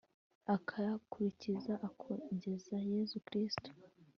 akayakurikiza, akogeza yezu kristu